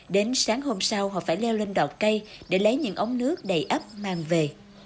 đến sáng hôm sau họ phải leo lên đọt cây để lấy những ống nước đầy ấp mang về